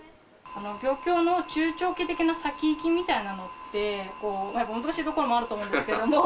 業況の中長期的な先行きみたいなものって、難しいところもあると思うんですけれども。